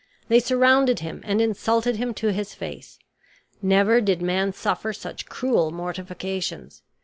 They surrounded him and insulted him to his face. Never did man suffer such cruel mortifications.